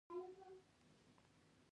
د پښتنو په کلتور کې د ښه عمل بدله جنت دی.